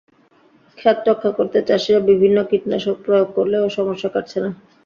খেত রক্ষা করতে চাষিরা বিভিন্ন কীটনাশক প্রয়োগ করলেও সমস্যা কাটছে না।